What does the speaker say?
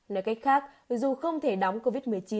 nói cách khác dù không thể đóng covid một mươi chín